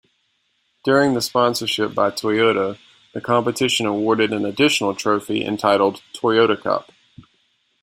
During the sponsorship by Toyota, the competition awarded an additional trophy, entitled "Toyota Cup".